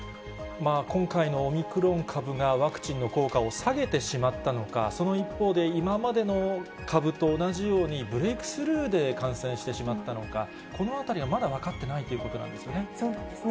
今回のオミクロン株がワクチンの効果を下げてしまったのか、その一方で、今までの株と同じように、ブレイクスルーで感染してしまったのか、このあたりはまだ分かってないということなんですね。